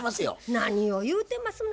何を言うてますの。